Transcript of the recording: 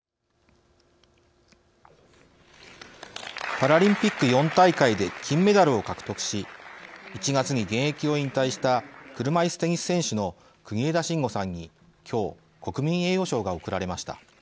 パラリンピック４大会で金メダルを獲得し１月に現役を引退した車いすテニス選手の国枝慎吾さんに、今日国民栄誉賞が贈られました。